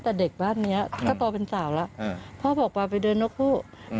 แต่เด็กบ้านนี้ก็โตเป็นสาวแล้วพ่อบอกว่าไปเดินนกฮูก